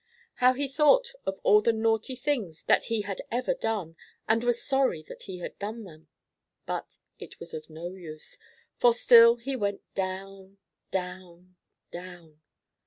How he thought of all the naughty things that he had ever done, and was sorry that he had done them! But it was of no use, for still he went down, down, down.